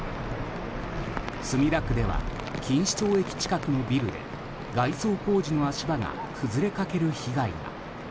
墨田区では錦糸町駅近くのビルで外装工事の足場が崩れかける被害が。